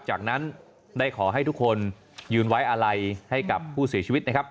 จากนั้นได้ขอให้ทุกคนยืนไว้อาลัยให้กับผู้เสียชีวิตนะครับ